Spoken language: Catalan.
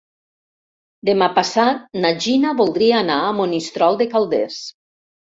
Demà passat na Gina voldria anar a Monistrol de Calders.